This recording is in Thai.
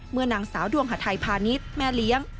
เมื่อนางสาวดวงหฐัยพาณิษฐ์แม่เลี้ยง